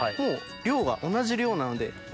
量が同じ量なので。